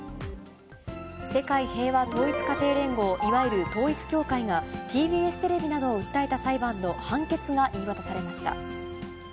世界平和統一家庭連合、いわゆる統一教会が、ＴＢＳテレビなどを訴えた裁判の判決が言い渡されました。